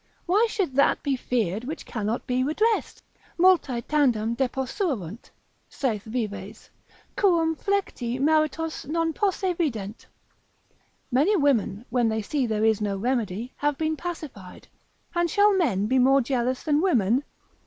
why should that be feared which cannot be redressed? multae tandem deposuerunt (saith Vives) quum flecti maritos non posse vident, many women, when they see there is no remedy, have been pacified; and shall men be more jealous than women?